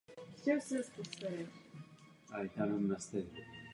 Na rozdíl od vzhledu se minulost Mary Sue odhaluje postupně.